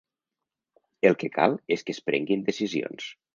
I el que cal és que es prenguin decisions.